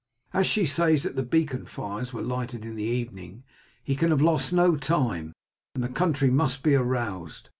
As she says that the beacon fires were lighted in the evening he can have lost no time, and the country must be aroused.